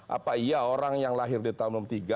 apa iya orang yang lahir di tahun seribu sembilan ratus tiga